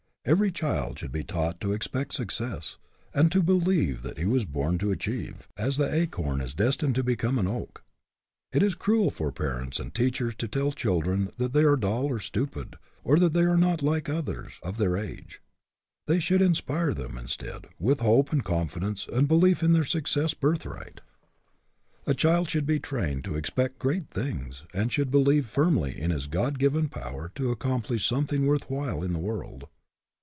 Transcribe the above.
Every child should be taught to expect suc cess, and to believe that he was born to achieve, as the acorn is destined to become an oak. It is cruel for parents and teachers to tell children that they are dull or stupid, or that they are not like others of their age. HE CAN WHO THINKS HE CAN 17, They should inspire them, instead, with hope and confidence and belief in their success birthright. A child should be trained to ex pect great things, and should believe firmly in his God given power to accomplish some thing worth while in the world.